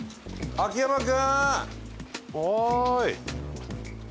秋山君！